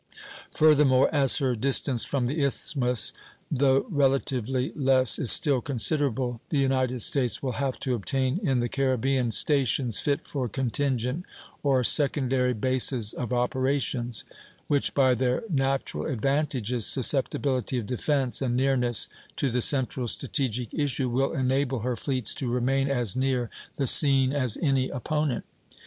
Furthermore, as her distance from the Isthmus, though relatively less, is still considerable, the United States will have to obtain in the Caribbean stations fit for contingent, or secondary, bases of operations; which by their natural advantages, susceptibility of defence, and nearness to the central strategic issue, will enable her fleets to remain as near the scene as any opponent.